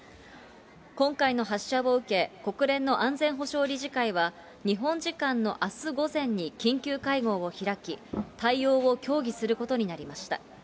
今回の発射を受け、国連の安全保障理事会は、日本時間のあす午前に緊急会合を開き、対応を協議することになりました。